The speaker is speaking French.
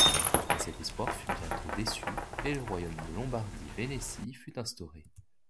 Mais cet espoir fut bientôt déçu et le royaume de Lombardie-Vénétie fut instauré.